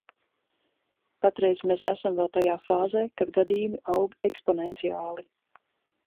Patreiz mēs esam vēl tajā fāzē, kad gadījumi aug eksponenciāli.